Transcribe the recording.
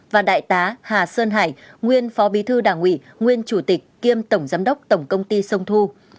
và đại tá hà sơn hải nguyên phó bí thư đảng ủy nguyên chủ tịch kiêm tổng giám đốc tổng công ty sông thu